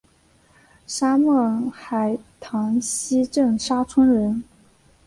沙孟海塘溪镇沙村人。